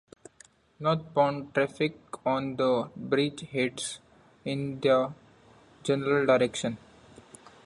Northbound traffic on the bridge heads in their general direction.